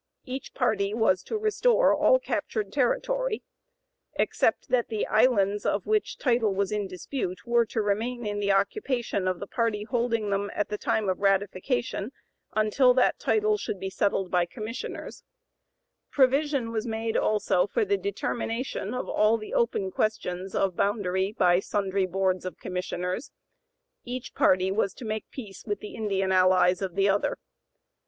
Each party was to restore all captured territory, except that the islands of which the title was in dispute were to remain in the occupation of the party holding them at the time of ratification until that title should be settled by commissioners; provision was made also for the determination of all the open questions of boundary by sundry boards of commissioners; each party was to make peace with the Indian allies of the other.